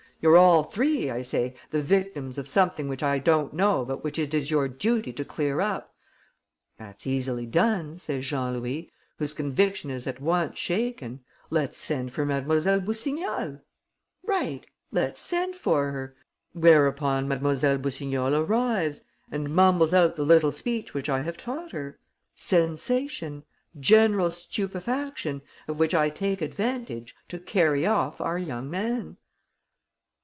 'You're all three,' I say, 'the victims of something which I don't know but which it is your duty to clear up!' 'That's easily done,' says Jean Louis, whose conviction is at once shaken. 'Let's send for Mlle. Boussignol.' 'Right! Let's send for her.' Whereupon Mlle. Boussignol arrives and mumbles out the little speech which I have taught her. Sensation! General stupefaction ... of which I take advantage to carry off our young man!"